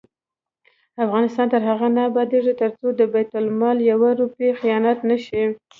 افغانستان تر هغو نه ابادیږي، ترڅو د بیت المال یوه روپۍ خیانت نشي.